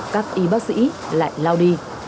các y bác sĩ lại lao đi